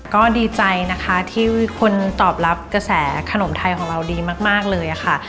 ก็ดีใจนะคะที่คนตอบรับกระแสขนมไทยของเราดีมากเลยค่ะ